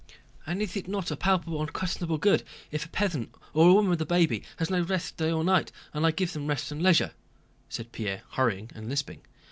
And is it not a palpable, unquestionable good if a peasant, or a woman with a baby, has no rest day or night and I give them rest and leisure?" said Pierre, hurrying and lisping.